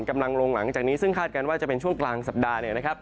กำลังลงหลังจากนี้ซึ่งคาดการณ์ว่าจะเป็นช่วงกลางสัปดาห์เนี่ยนะครับ